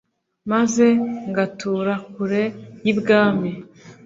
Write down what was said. maze ngatura kure yibwami